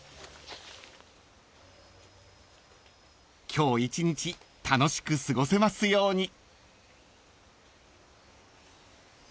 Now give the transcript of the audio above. ［今日一日楽しく過ごせますように］